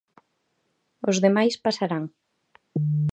Os demais pasarán.